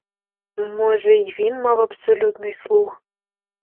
Може й він мав абсолютний слух?